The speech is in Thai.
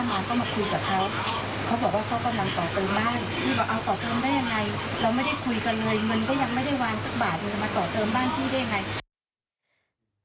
มันจะมาต่อเติมบ้านพี่ได้อย่างไร